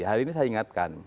hari ini saya ingatkan